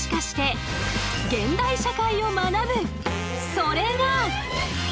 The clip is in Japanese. それが。